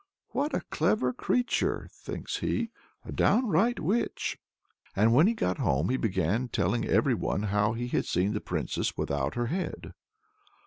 "What a clever creature!" thinks he. "A downright witch!" And when he got home he began telling every one how he had seen the Princess without her head.